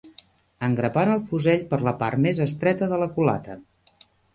Engrapant el fusell per la part més estreta de la culata